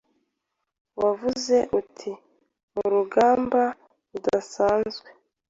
wavuze uti Mu rugamba rudasanzwe,